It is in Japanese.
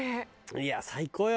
いや最高よ。